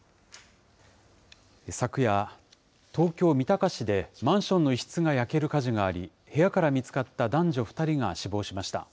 昨夜、東京・三鷹市で、マンションの一室が焼ける火事があり、部屋から見つかった男女２人が死亡しました。